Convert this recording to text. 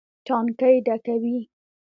ټانکۍ ډکوي.